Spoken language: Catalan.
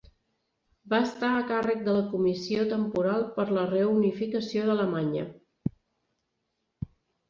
Va estar a càrrec de la Comissió Temporal per a la reunificació d'Alemanya.